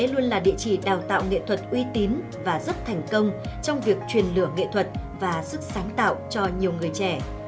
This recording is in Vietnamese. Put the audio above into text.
luôn là địa chỉ đào tạo nghệ thuật uy tín và rất thành công trong việc truyền lửa nghệ thuật và sức sáng tạo cho nhiều người trẻ